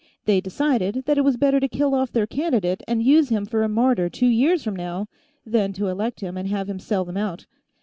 They decided that it was better to kill off their candidate and use him for a martyr two years from now than to elect him and have him sell them out.